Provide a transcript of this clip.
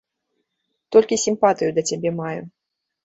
Толькі сімпатыю да цябе маю.